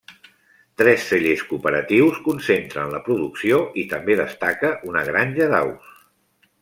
Tres cellers cooperatius concentren la producció i també destaca una granja d'aus.